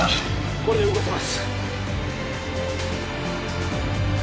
これで動かせます